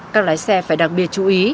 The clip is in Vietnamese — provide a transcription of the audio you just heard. các lái xe phải đặc biệt chú ý